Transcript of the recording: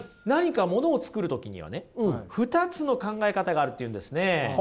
何かものを作る時にはね２つの考え方があるというんですね。